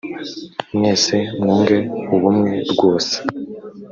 mwese mwunge ubumwe rwose